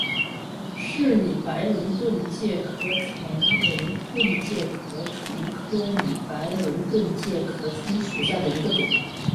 柿拟白轮盾介壳虫为盾介壳虫科拟白轮盾介壳虫属下的一个种。